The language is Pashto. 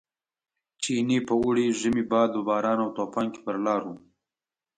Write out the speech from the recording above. چیني په اوړي، ژمي، باد و باران او توپان کې پر لار و.